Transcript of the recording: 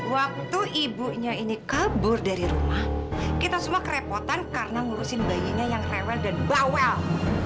waktu ibunya ini kabur dari rumah kita semua kerepotan karena ngurusin bayinya yang rewel dan bawel